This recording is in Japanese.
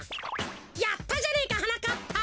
やったじゃねえかはなかっぱ！